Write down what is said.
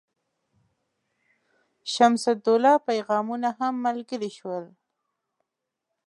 شمس الدوله پیغامونه هم ملګري شول.